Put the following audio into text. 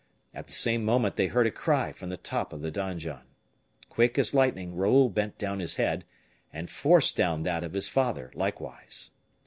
At the same moment they heard a cry from the top of the donjon. Quick as lightning Raoul bent down his head, and forced down that of his father likewise.